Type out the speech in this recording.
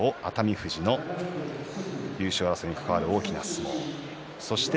富士の優勝争いに関わる大きな相撲。